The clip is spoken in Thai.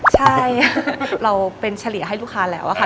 ใช่เราเป็นเฉลี่ยให้ลูกค้าแล้วค่ะ